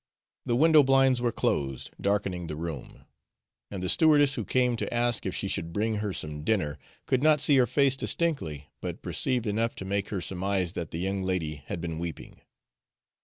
The window blinds were closed, darkening the room, and the stewardess who came to ask if she should bring her some dinner could not see her face distinctly, but perceived enough to make her surmise that the young lady had been weeping.